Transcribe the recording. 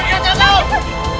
raden kian santal